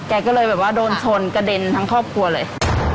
แกก็เลยแบบว่าโดนชนกระเด็นทั้งครอบครัวเลย